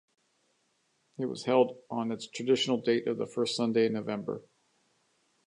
It was held on its traditional date of the first Sunday in November.